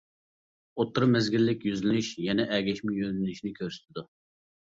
ئوتتۇرا مەزگىللىك يۈزلىنىش يەنى ئەگەشمە يۆنىلىشنى كۆرسىتىدۇ.